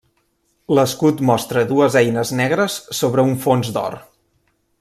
L'escut mostra dues eines negres sobre un fons d'or.